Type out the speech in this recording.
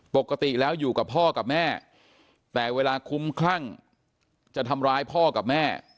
ปกติแล้วอยู่กับพ่อกับแม่แต่เวลาคุ้มคลั่งจะทำร้ายพ่อกับแม่